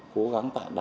cái này là